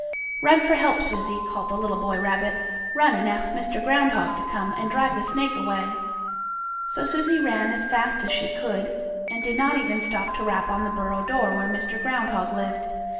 "Run for help, Susie!" called the little boy rabbit. "Run and ask Mr. Groundhog to come and drive the snake away!" So Susie ran as fast as she could, and did not even stop to rap on the burrow door where Mr. Groundhog lived.